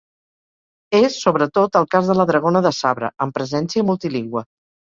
És, sobretot, el cas de la dragona de sabre, amb presència multilingüe.